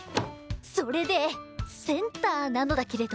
それでセンターなのだけれど。